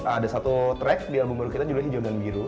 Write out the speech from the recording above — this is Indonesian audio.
ada satu track di album baru kita juga hijau dan biru